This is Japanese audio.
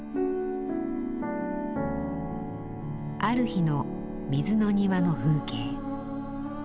ある日の水の庭の風景。